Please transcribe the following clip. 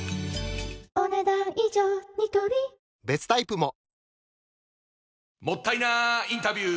もったいなインタビュー！